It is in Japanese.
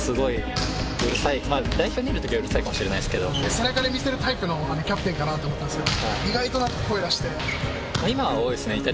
背中で見せるタイプのキャプテンかなと思ったんですけど。